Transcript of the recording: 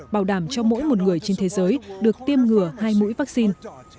bảo đảm cho mỗi một người trên thế giới được tiêm ngừa hai mũi vắc xin